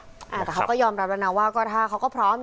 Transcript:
แต่เขาก็ยอมรับแล้วนะว่าก็ถ้าเขาก็พร้อม